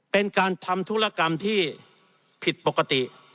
เป็นการทำธุรกรรมที่ผิดปกติ